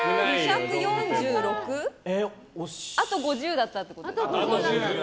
あと５０だったってことですか。